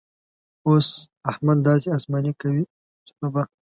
احمد داسې اسماني کوي چې توبه!